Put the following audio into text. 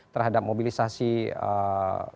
terhadap mobilisasi orang orang ini atau yang lainnya